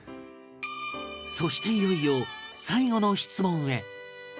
そしていよいよ最後の質問へ